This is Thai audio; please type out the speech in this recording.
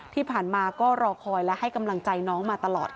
ที่ผ่านมาก็รอคอยและให้กำลังใจน้องมาตลอด